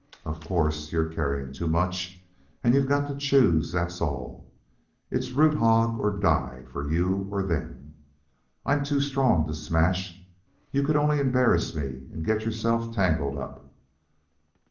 Of course, you're carrying too much, and you've got to choose, that's all. It's root hog or die for you or them. I'm too strong to smash. You could only embarrass me and get yourself tangled up.